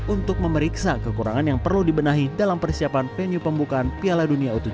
untuk memeriksa kekurangan yang perlu dibenahi dalam persiapan venue pembukaan piala dunia u tujuh belas